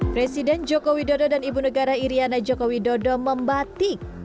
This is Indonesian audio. presiden joko widodo dan ibu negara iryana joko widodo membatik